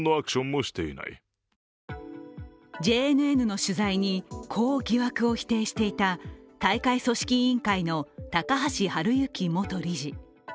ＪＮＮの取材にこう疑惑を否定していた大会組織委員会の高橋治之元理事。